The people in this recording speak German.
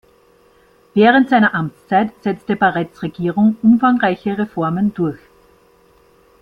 Während seiner Amtszeit setzte Barretts Regierung umfangreiche Reformen durch.